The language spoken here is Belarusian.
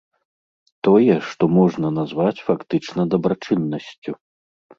Тое, што можна назваць фактычна дабрачыннасцю.